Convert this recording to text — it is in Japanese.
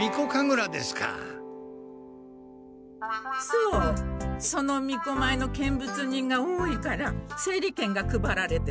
そのみこまいの見物人が多いから整理券が配られてて。